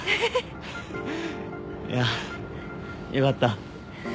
いやよかった。